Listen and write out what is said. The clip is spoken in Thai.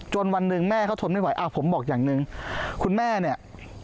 วันหนึ่งแม่เขาทนไม่ไหวอ้าวผมบอกอย่างหนึ่งคุณแม่เนี่ย